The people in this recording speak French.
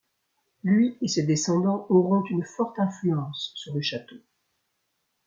Lui et ses descendants auront une forte influence sur le château.